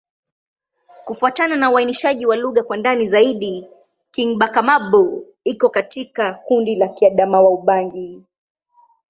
Kufuatana na uainishaji wa lugha kwa ndani zaidi, Kingbaka-Ma'bo iko katika kundi la Kiadamawa-Ubangi.